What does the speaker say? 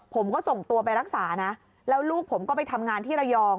ผมก็ส่งตัวไปรักษานะแล้วลูกผมก็ไปทำงานที่ระยอง